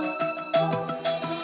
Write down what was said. nih aku tidur